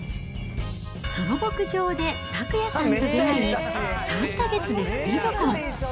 その牧場で拓也さんと出会い、３か月でスピード婚。